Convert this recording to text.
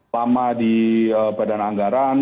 lama di badan anggaran